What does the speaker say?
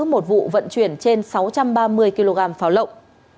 một vụ vận chuyển trên sáu trăm ba mươi kg pháo lộng